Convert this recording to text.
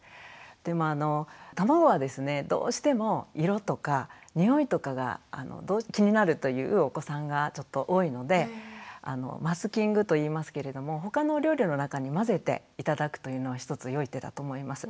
でも卵はですねどうしても色とかにおいとかが気になるというお子さんがちょっと多いのでマスキングといいますけれどもほかのお料理の中に混ぜて頂くというのはひとつ良い手だと思います。